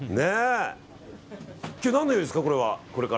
今日は何の用意ですか？